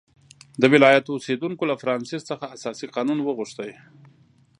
د ولایت اوسېدونکو له فرانسیس څخه اساسي قانون وغوښت.